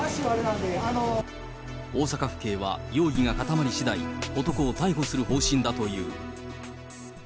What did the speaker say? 大阪府警は容疑が固まりしだい、男を逮捕する方針だという。